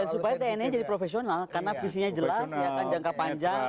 supaya tni jadi profesional karena visinya jelas jangka panjang